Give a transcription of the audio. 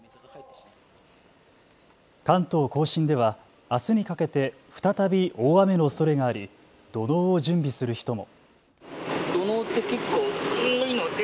関東甲信ではあすにかけて再び大雨のおそれがあり土のうを準備する人も。